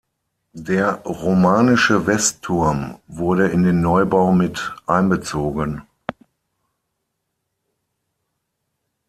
Der romanische Westturm wurde in den Neubau mit einbezogen.